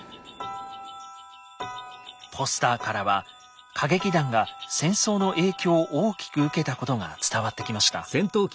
ポスターからは歌劇団が戦争の影響を大きく受けたことが伝わってきました。